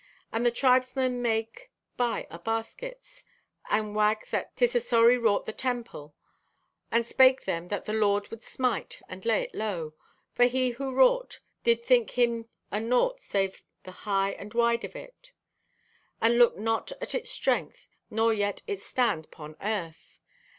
And the tribesmen make buy o' baskets and wag that 'tis a sorry wrought the temple, and spake them that the Lord would smite, and lay it low. For he who wrought did think him o' naught save the high and wide o' it, and looked not at its strength or yet its stand 'pon earth.